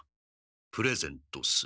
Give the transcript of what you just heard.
プレゼントする。